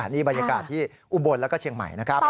นี่บรรยากาศที่อุบลแล้วก็เชียงใหม่นะครับ